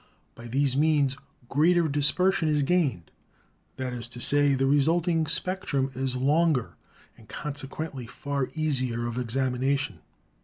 By these means greater dispersion is gained; that is to say, the re sulting spectrum is longer, and consequently far easier of examination.